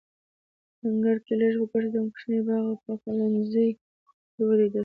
په انګړ کې لږ وګرځېدم، کوچنی باغ او پخلنځی مې ولیدل.